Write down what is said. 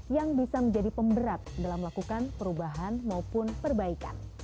yang bisa menjadi pemberat dalam melakukan perubahan maupun perbaikan